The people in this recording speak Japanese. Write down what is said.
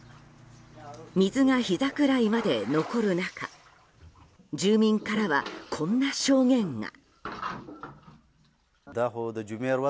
水がひざぐらいまで残る中住民からは、こんな証言が。